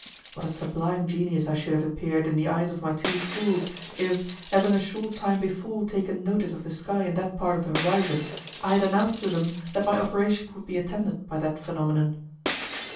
What a sublime genius I should have appeared in the eyes of my two fools, if, having a short time before taken notice of the sky in that part of the horizon, I had announced to them that my operation would be attended by that phenomenon.